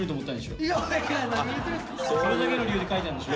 それだけの理由で書いたんでしょ？